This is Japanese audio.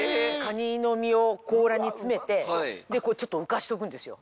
蟹の身を甲羅に詰めてちょっと浮かせておくんですよ。